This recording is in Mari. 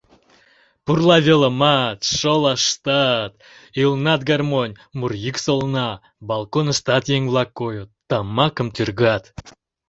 Пурла велымат, шолаштат, ӱлнат гармонь, муро йӱк солна, балконыштат еҥ-влак койыт, тамакым тӱргат.